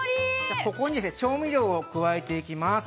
◆ここに調味料を加えていきます。